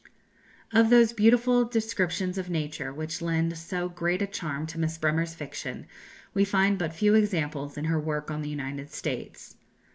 Of those beautiful descriptions of nature which lend so great a charm to Miss Bremer's fiction we find but few examples in her work on the United States.